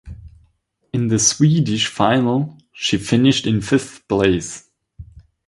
In the Swedish final she finished in fifth place.